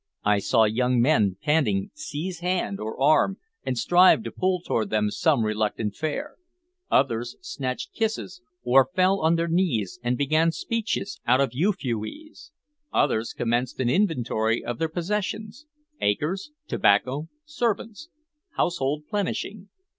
I saw young men, panting, seize hand or arm and strive to pull toward them some reluctant fair; others snatched kisses, or fell on their knees and began speeches out of Euphues; others commenced an inventory of their possessions, acres, tobacco, servants, household plenishing.